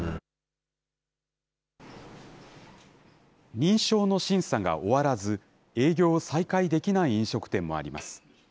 認証の審査が終わらず、営業を再開できない飲食店もあります。